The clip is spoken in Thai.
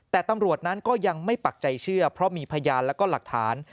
แต่ตำรวจนั้นก็ยังไม่ปักใจเชื่อเพราะมีพยานแล้วก็หลักฐาน